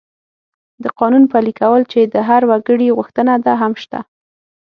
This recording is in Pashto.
د قانون پلي کول چې د هر وګړي غوښتنه ده، هم شته.